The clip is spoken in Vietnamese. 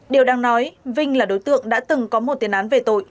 điều đang nói vinh là đối tượng đã từng có một tiền án về tội